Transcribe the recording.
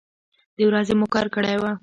د ورځې مو کار کړی و.